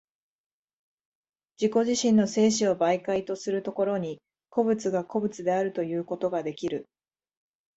自己自身の生死を媒介とする所に、個物が個物であるということができる。